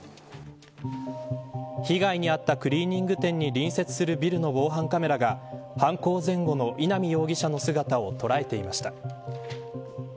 被害に遭ったクリーニング店に隣接するビルの防犯カメラが犯行前後の稲見容疑者の姿を捉えていました。